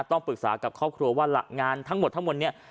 ต้องปรึกษากับครอบครัวว่างานทั้งหมดทั้งหมดนี้